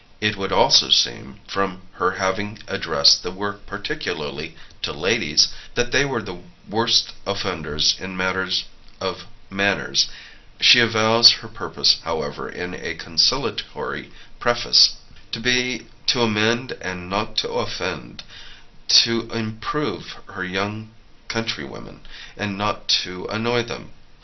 It would also seem, from her having addressed the work particularly to ladies, that they were the worst offenders in matters of manners; she avows her purpose, however, in a conciliatory preface, to be "to amend and not to offend; to improve her young countrywomen, and not to annoy them."